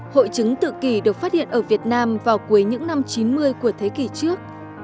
hội chứng tự kỷ được phát hiện ở việt nam vào cuối những năm chín mươi của thế kỷ trước